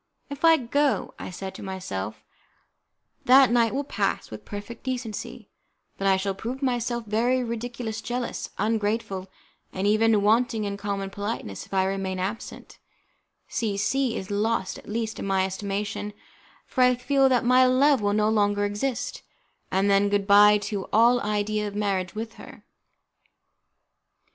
"If I go," said I to myself, "that night will pass with perfect decency, but I shall prove myself very ridiculous, jealous, ungrateful, and even wanting in common politeness: if I remain absent, C C is lost, at least, in my estimation, for I feel that my love will no longer exist, and then good bye to all idea of a marriage with her."